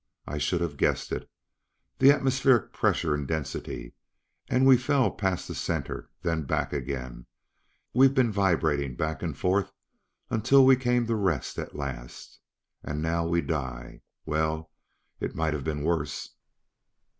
"I should have guessed it. The atmospheric pressure and density and we fell past the center, then back again; we've been vibrating back and forth until we came to rest at last. And now we die! Well, it might have been worse."